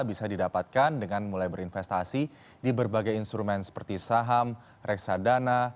bisa didapatkan dengan mulai berinvestasi di berbagai instrumen seperti saham reksadana